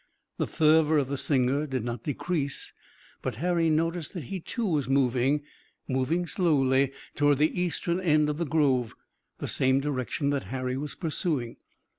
The fervor of the singer did not decrease, but Harry noticed that he too was moving, moving slowly toward the eastern end of the grove, the same direction that Harry was pursuing.